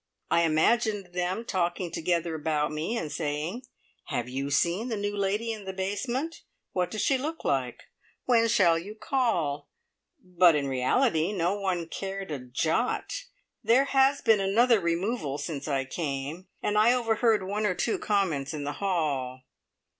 I imagined them talking together about me, and saying, "Have you seen the new lady in the basement? What does she look like? When shall you call?" but in reality no one cared a jot. There has been another removal since I came, and I overheard one or two comments in the hall.